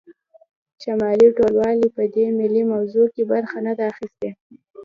شمالي ټلوالې په دې ملي موضوع کې برخه نه ده اخیستې